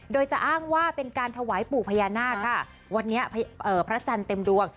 โดยจะอ้างว่าเป็นการถวายปู่พญานาคค่ะวันนี้พระจันทร์เต็มดวง